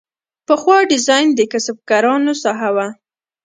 پخوا ډیزاین د کسبکارانو ساحه وه.